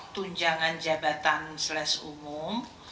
tunjangan jabatan sles umum